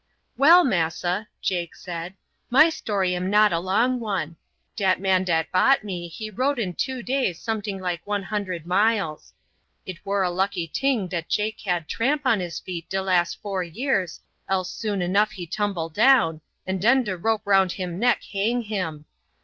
"Well, massa," Jake said, "my story am not a long one. Dat man dat bought me he rode in two days someting like one hundred miles. It wor a lucky ting dat Jake had tramp on his feet de last four years, else soon enough he tumble down, and den de rope round him neck hang him.